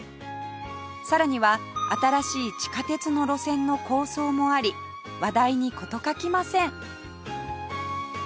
さらには新しい地下鉄の路線の構想もあり話題に事欠きません